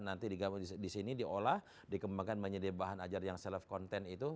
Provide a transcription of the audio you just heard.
nanti di sini diolah dikembangkan menjadi bahan ajar yang self content itu